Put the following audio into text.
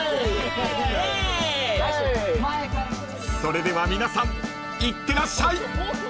［それでは皆さんいってらっしゃい］